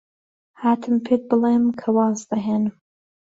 هاتم پێت بڵێم کە واز دەهێنم.